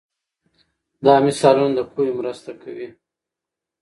دا مثالونه د پوهې مرسته کوي.